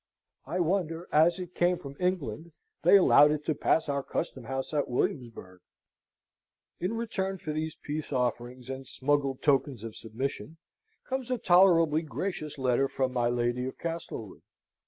I wonder, as it came from England, they allowed it to pass our custom house at Williamsburg. In return for these peace offerings and smuggled tokens of submission, comes a tolerably gracious letter from my Lady of Castlewood.